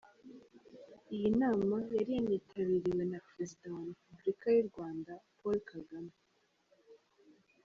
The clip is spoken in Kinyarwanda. Iyi nama yari yanitabiriwe na Perezida wa Repubulika y’u Rwanda Paul Kagame.